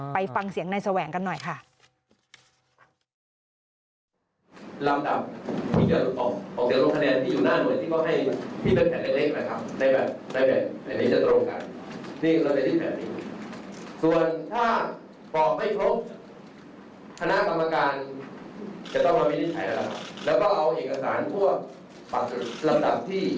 ไปฟังเสียงนายแสวงกันหน่อยค่ะ